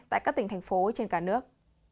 tại các tỉnh thành phố trên cả nước